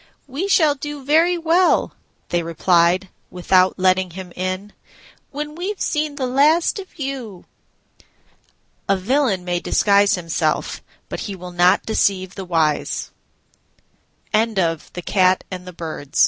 "We shall do very well," they replied, without letting him in, "when we've seen the last of you." A villain may disguise himself, but he will not deceive the wise. THE SPENDTHRIFT AND THE S